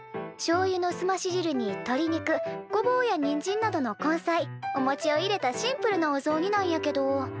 しょうゆのすまし汁にとり肉ごぼうやにんじんなどの根菜おもちを入れたシンプルなおぞうになんやけど。